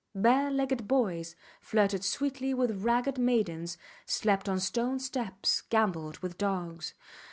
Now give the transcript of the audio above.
Bare legged boys flirted sweetly with ragged maidens, slept on stone steps, gambolled with dogs.